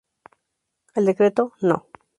El decreto No.